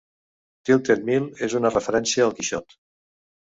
Tilted Mill és una referència al Quixot.